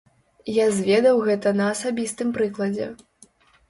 Я зведаў гэта на асабістым прыкладзе.